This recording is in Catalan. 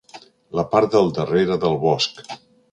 La part del darrere del bosc.